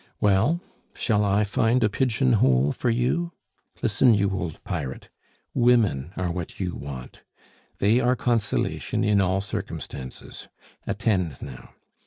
"Well, shall I find a pigeon hole for you? Listen, you old pirate. Women are what you want. They are consolation in all circumstances. Attend now.